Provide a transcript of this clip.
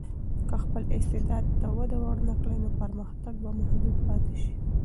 که خپل استعداد ته وده ورنکړې، نو پرمختګ به محدود پاتې شي.